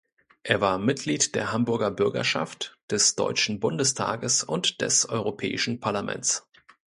Er war Mitglied der Hamburger Bürgerschaft, des Deutschen Bundestages und des Europäischen Parlaments.